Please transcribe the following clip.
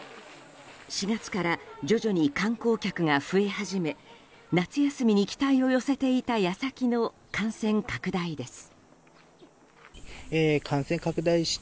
４月から徐々に観光客が増え始め夏休みに期待を寄せていた矢先の感染拡大です。